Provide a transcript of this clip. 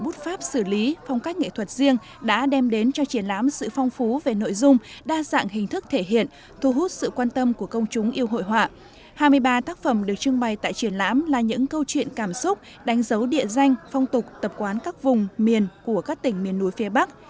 hai mươi ba tác phẩm được trưng bày tại triển lãm là những câu chuyện cảm xúc đánh dấu địa danh phong tục tập quán các vùng miền của các tỉnh miền núi phía bắc